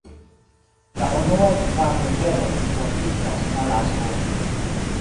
La unuaj kvar niveloj disvolviĝas en Alasko.